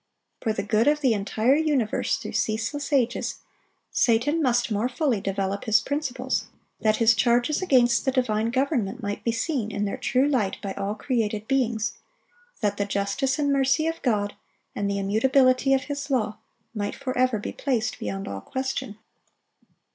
For the good of the entire universe through ceaseless ages, Satan must more fully develop his principles, that his charges against the divine government might be seen in their true light by all created beings, that the justice and mercy of God and the immutability of His law might forever be placed beyond all question.